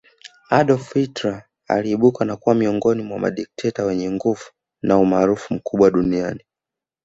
Adolf Hitler aliibuka na kuwa miongoni mwa madikteta wenye nguvu na umaarufu mkubwa duniani